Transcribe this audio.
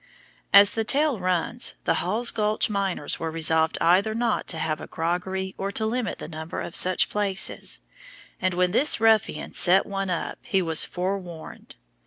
As the tale runs, the Hall's Gulch miners were resolved either not to have a groggery or to limit the number of such places, and when this ruffian set one up he was "forewarned."